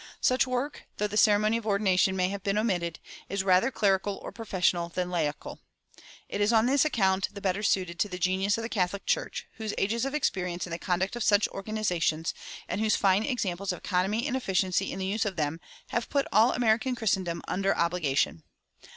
Such work, though the ceremony of ordination may have been omitted, is rather clerical or professional than laical. It is on this account the better suited to the genius of the Catholic Church, whose ages of experience in the conduct of such organizations, and whose fine examples of economy and efficiency in the use of them, have put all American Christendom under obligation.